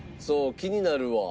気になるわ。